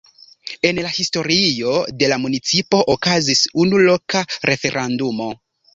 En la historio de la municipo okazis unu loka referendumo.